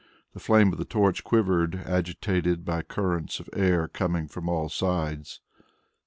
The flame of the torch quivered, agitated by currents of air coming from all sides.